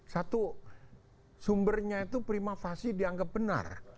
satu sumbernya itu prima fasi dianggap benar